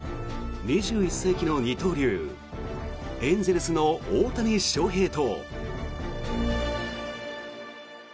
ベーブ・ルースの再来２１世紀の二刀流エンゼルスの大谷翔平と。